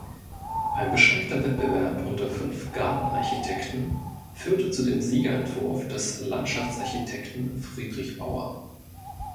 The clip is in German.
Ein beschränkter Wettbewerb unter fünf Gartenarchitekten führte zu dem Siegerentwurf des Landschaftsarchitekten Friedrich Bauer.